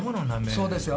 そうですよ。